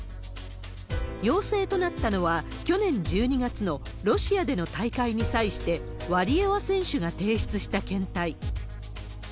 陽性となったのは、去年１２月のロシアでの大会に際して、ワリエワ選手が提出した検体。